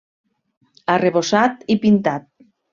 Arrebossat i pintat.